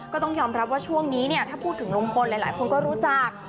ก็ต้องยอมรับว่าช่วงนี้เนี่ยถ้าพูดถึงลุงพลหลายคนก็รู้จัก